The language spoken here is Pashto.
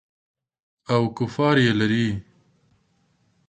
او کفار یې لري.